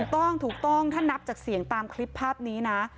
ถูกต้องถูกต้องถ้านับจากเสียงตามคลิปภาพนี้นะ